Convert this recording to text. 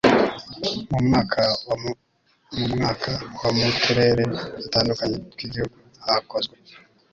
mu mwaka wa mu turere dutandukanye tw igihugu hakozwe